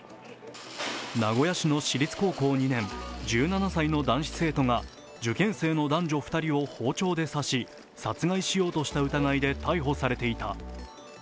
名古屋市の私立高校２年１７歳の男子生徒が受験生の男女２人を包丁で刺し殺害しようとした疑いで逮捕されていた。